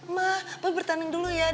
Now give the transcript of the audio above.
ma boy bertanding dulu ya